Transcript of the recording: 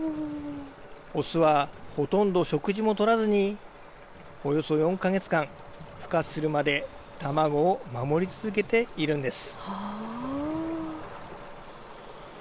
雄は、ほとんど食事も取らずにおよそ４か月間ふ化するまで卵を守り続けているんです。